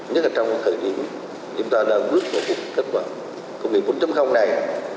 nhất là trong thời điểm chúng ta đang rước vào cuộc kết quả công nghiệp bốn này